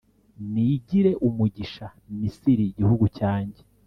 Nigire umugisha Misiri igihugu cyanjye,